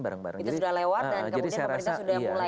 bareng bareng itu sudah lewat dan kemudian pemerintah sudah